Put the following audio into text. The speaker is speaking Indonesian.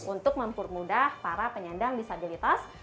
untuk mempermudah para penyandang disabilitas